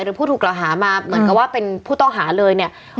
ผู้ถูกกล่าวหามาเหมือนกับว่าเป็นผู้ต้องหาเลยเนี่ย